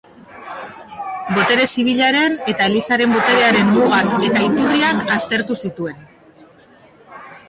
Botere zibilaren eta Elizaren boterearen mugak eta iturriak aztertu zituen.